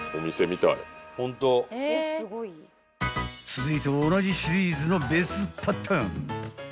［続いて同じシリーズの別パターン］